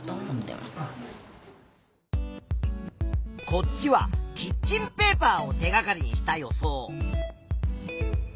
こっちはキッチンペーパーを手がかりにした予想。